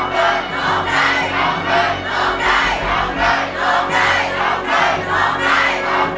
โน่งใดโน่งใดโน่งใดโน่งใดโน่งใด